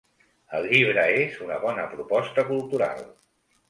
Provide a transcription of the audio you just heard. El llibre és una bona proposta cultural.